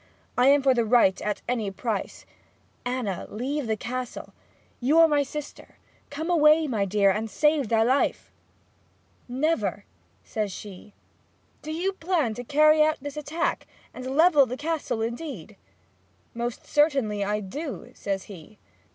I am for the right at any price. Anna, leave the Castle; you are my sister; come away, my dear, and save thy life!' 'Never!' says she. 'Do you plan to carry out this attack, and level the Castle indeed?' 'Most certainly I do,' says he.